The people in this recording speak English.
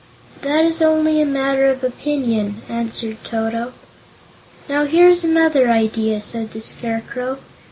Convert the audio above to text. "That is only a matter of opinion," answered Toto. "Now, here's another idea," said the Scarecrow.